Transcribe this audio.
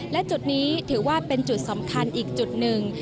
และจุดนี้ถือว่าเป็นจุดสำคัญอีกจุดหนึ่ง